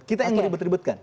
kita yang yang ribet ribetkan